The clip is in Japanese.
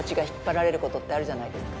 ことってあるじゃないですか。